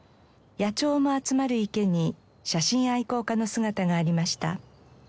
野鳥も集まる池に写真愛好家の姿がありました。